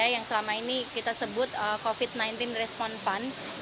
yang selama ini kita sebut covid sembilan belas respon fund